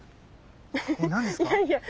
え何ですか？